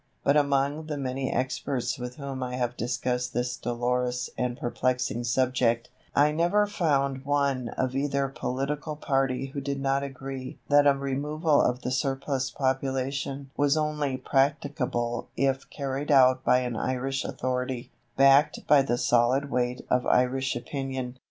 But among the many experts with whom I have discussed this dolorous and perplexing subject, I never found one of either political party who did not agree that a removal of the surplus population was only practicable if carried out by an Irish authority, backed by the solid weight of Irish opinion.